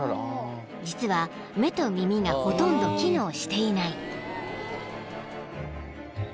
［実は目と耳がほとんど機能していない］